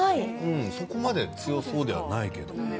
そこまで強そうじゃないけど。